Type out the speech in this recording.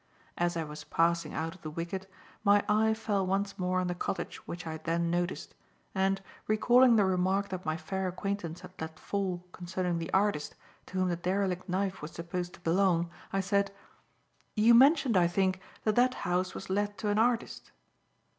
As I was passing out of the wicket, my eye fell once more on the cottage which I had then noticed, and, recalling the remark that my fair acquaintance had let fall concerning the artist to whom the derelict knife was supposed to belong, I said: "You mentioned, I think, that that house was let to an artist."